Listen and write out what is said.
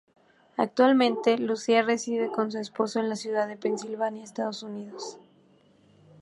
Actualmente, Lucila reside con su esposo en la ciudad de Pensilvania, Estados Unidos.